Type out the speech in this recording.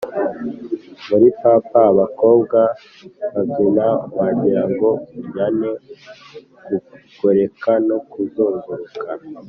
muri papa abakobwa babyina wagirango unjyane kugoreka no kuzunguruka.